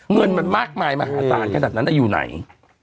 เงินมันมากมายมหาศาลขนาดนั้นอยู่ไหน